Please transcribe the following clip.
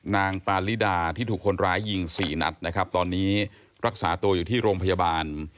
นางปาลิดาที่ถูกคนร้ายยิงสี่นัดนะครับตอนนี้รักษาตัวอยู่ที่โรงพยาบาล